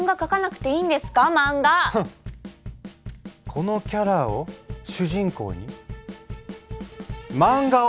このキャラを主人公に漫画を描く。